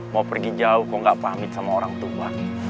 mau pergi jauh kok gak pamit sama orang tua